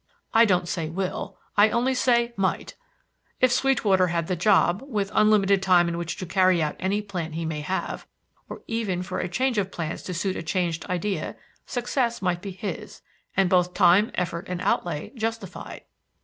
I don't say will, I only say might. If Sweetwater had the job, with unlimited time in which to carry out any plan he may have, or even for a change of plans to suit a changed idea, success might be his, and both time, effort and outlay justified."